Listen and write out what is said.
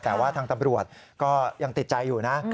แต่ว่าทางตำรวจก็ยังติดใจอยู่นะ